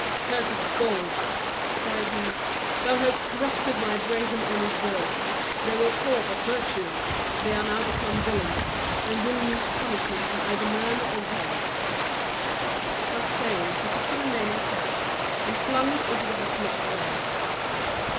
"Cursed gold!" cried he, "thou hast corrupted my brave and honest boys; they were poor, but virtuous; they are now become villains, and will meet punishment from either man or God!" Thus saying, he took the remaining purse, and flung it into the bottom of a well.